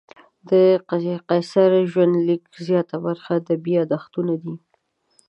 د قیصر ژوندلیک زیاته برخه ادبي یادښتونه دي.